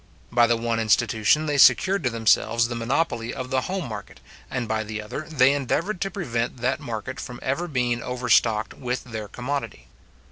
By the one institution, they secured to themselves the monopoly of the home market, and by the other they endeavoured to prevent that market from ever being overstocked with their commodity.